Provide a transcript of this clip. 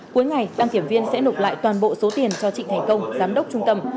cuối ngày đăng kiểm viên sẽ nộp lại toàn bộ số tiền cho trịnh thành công giám đốc trung tâm